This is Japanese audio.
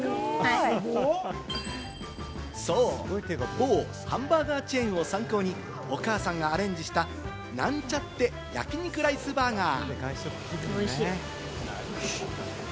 某ハンバーガーチェーンを参考に、お母さんがアレンジした、なんちゃって焼き肉ライスバーガー！